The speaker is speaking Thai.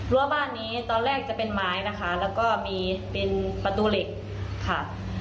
บ้านนี้ตอนแรกจะเป็นไม้นะคะแล้วก็มีเป็นประตูเหล็กค่ะ